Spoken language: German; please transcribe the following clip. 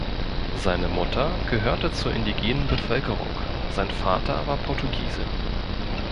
Seine Mutter gehörte zur indigenen Bevölkerung, sein Vater war Portugiese.